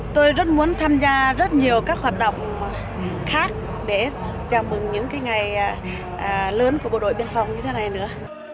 tôi rất muốn tham gia rất nhiều các hoạt động khác để chào mừng những ngày lớn của bộ đội biên phòng như thế này nữa